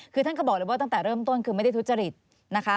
คือท่านก็บอกเลยว่าตั้งแต่เริ่มต้นคือไม่ได้ทุจริตนะคะ